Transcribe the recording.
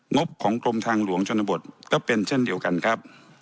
บของกรมทางหลวงชนบทก็เป็นเช่นเดียวกันครับ